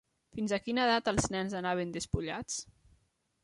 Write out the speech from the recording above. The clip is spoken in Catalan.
Fins a quina edat els nens anaven despullats?